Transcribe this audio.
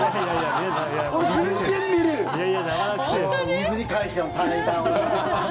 水に関しての対談をね。